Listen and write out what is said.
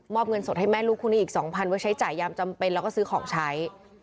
เงินสดให้แม่ลูกคู่นี้อีก๒๐๐ไว้ใช้จ่ายยามจำเป็นแล้วก็ซื้อของใช้